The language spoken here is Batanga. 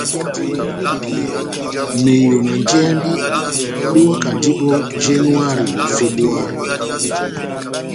Meyo na njɛhɛmbi bewakandi ó Yanuhari na Febuwari.